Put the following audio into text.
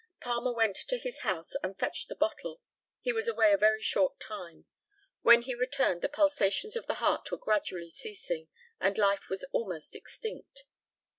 Palmer went to his house and fetched the bottle. He was away a very short time. When he returned the pulsations of the heart were gradually ceasing, and life was almost extinct.